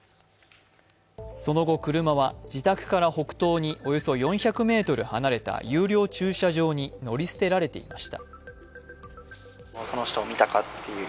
その後、車は自宅から北東におよそ４００ｍ離れた有料駐車場に乗り捨てられていました。